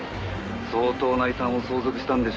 「相当な遺産を相続したんでしょうねえ」